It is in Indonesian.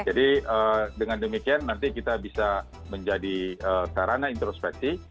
jadi dengan demikian nanti kita bisa menjadi sarana introspeksi